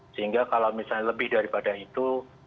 sehingga kalau misalnya lebih daripada itu